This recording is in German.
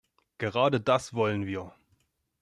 Gerade das wollen wir.